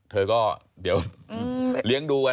เธอก็เดี๋ยวเลี้ยงดูกัน